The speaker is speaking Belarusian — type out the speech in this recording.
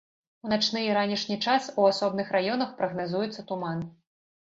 У начны і ранішні час у асобных раёнах прагназуецца туман.